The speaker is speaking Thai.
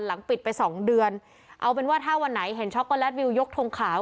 หลังปิดไปสองเดือนเอาเป็นว่าถ้าวันไหนเห็นช็อกโกแลตวิวยกทงขาว